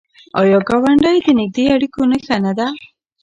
آیا ګاونډی د نږدې اړیکو نښه نه ده؟